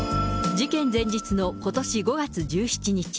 事件前日のことし５月１７日。